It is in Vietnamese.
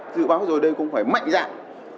dự báo rồi đây cũng phải mạnh dạng